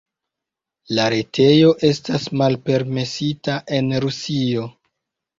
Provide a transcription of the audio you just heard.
La retejo estas malpermesita en Rusio.